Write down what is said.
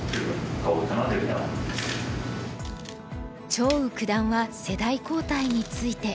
張栩九段は世代交代について。